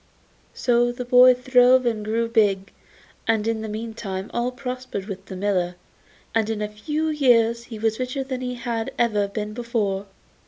So the boy throve and grew big, and in the meantime all prospered with the miller, and in a few years he was richer than he had ever been before.